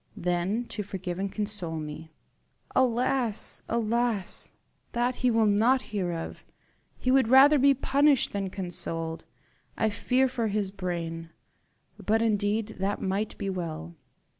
"Then to forgive and console me." "Alas! alas! that he will not hear of. He would rather be punished than consoled. I fear for his brain. But indeed that might be well."